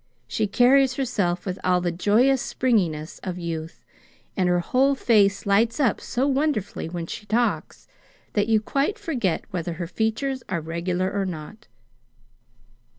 She carries herself with all the joyous springiness of youth, and her whole face lights up so wonderfully when she talks that you quite forget whether her features are regular or not."